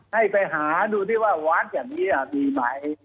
ให้ไปหาดูที่ว่าวัดอย่างนี้มีไหม